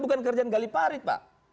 perlu terang alih guys